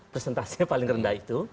presentasinya paling rendah itu